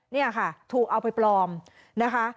นี่ค่ะถูกเอาไปปลอมนะคะ